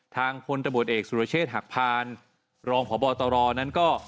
ทางคนตะบดเอกสุรเชษฐ์หักพานรองผ่อบอตรอนั้นก็